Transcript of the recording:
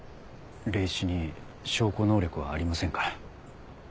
霊視に証拠能力はありませんから。